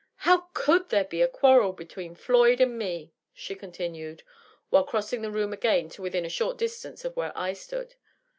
" How caM there be a quarrel between Floyd and me?" she continued, while crossing the room again to within a short distance of where I stood.